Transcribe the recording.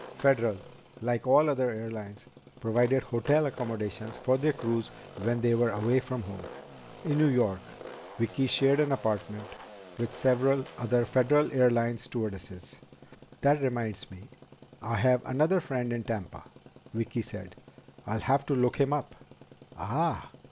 Federal, like all other airlines, provided hotel accommodations for their crews when they were away from home. In New York, Vicki shared an apartment with several other Federal Airlines stewardesses. "That reminds me. I have another friend in Tampa," Vicki said. "I'll have to look him up." "Ah!"